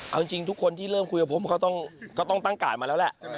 เอาจริงทุกคนที่เริ่มคุยกับผมเขาก็ต้องตั้งการ์ดมาแล้วแหละ